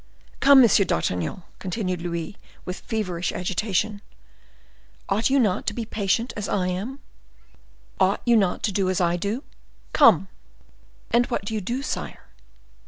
"Come, Monsieur d'Artagnan," continued Louis, with feverish agitation, "ought you not to be patient as I am? Ought you not to do as I do? Come!" "And what do you do, sire?"